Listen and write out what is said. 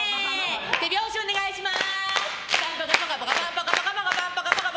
手拍子お願いします！